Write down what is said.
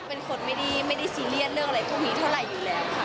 เป็นคนไม่ได้ซีเรียสเรื่องอะไรพวกนี้เท่าไหร่อยู่แล้วค่ะ